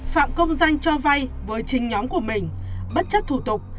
phạm công danh cho vay với chính nhóm của mình bất chấp thủ tục